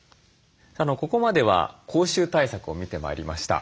ここまでは口臭対策を見てまいりました。